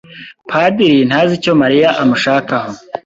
Padiri ntazi icyo Mariya amushakaho.